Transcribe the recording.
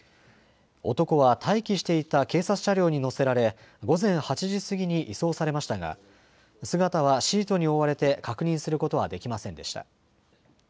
男は待機していた警察車両に乗せられ午前８時過ぎに移送されましたが姿はシートに覆われて確認することはできませんでした。